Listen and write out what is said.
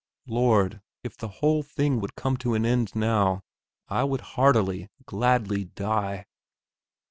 Lord, if the whole thing would come to an end now, I would heartily, gladly die!